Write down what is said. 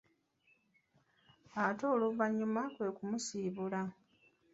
Ate oluvannyuma kwe kumusibula.